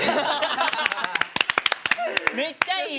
めっちゃいい！